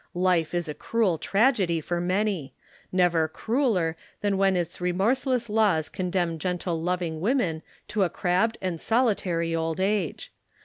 Life is a cruel tragedy for many never crueller than when its remorseless laws condemn gentle loving women to a crabbed and solitary old age.